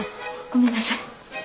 ごめんなさい。